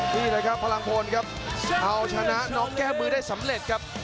นี่แหละครับพลังพลครับเอาชนะน้องแก้มือได้สำเร็จครับ